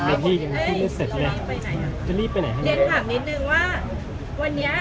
จะรีบไปไหน